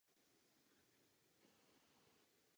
Na poli executive search mohou působit firmy i jednotlivci.